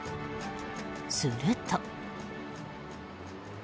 すると。